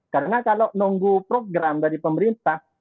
karena kalau menunggu program dari pemerintah